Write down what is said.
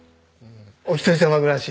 お一人様暮らし。